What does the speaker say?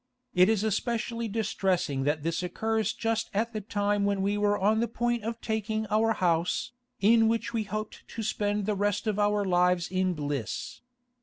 It is especially distressing that this occurs just at the time when we were on the point of taking our house, in which we hoped to spend the rest of our lives in bliss.